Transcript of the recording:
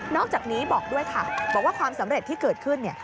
อกจากนี้บอกด้วยค่ะบอกว่าความสำเร็จที่เกิดขึ้นเนี่ย